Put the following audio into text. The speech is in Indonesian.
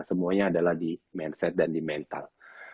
semuanya adalah di mindset dan di mental